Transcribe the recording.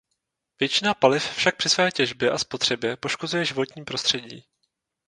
Většina paliv však při své těžbě a spotřebě poškozuje životní prostředí.